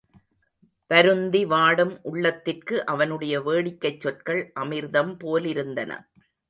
வருந்தி, வாடும் உள்ளத்திற்கு அவனுடைய வேடிக்கைச்சொற்கள் அமிர்தம் போலிருந்தன.